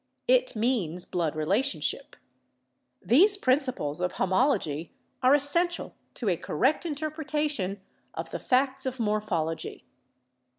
It means blood relationship. These principles of homology are essential to a correct interpretation of the facts of morphology.